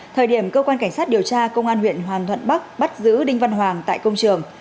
thời điểm cơ quan cảnh sát điều tra công an huyện hoàn thuận bắc bắt giữ đinh văn hoàng tại công trường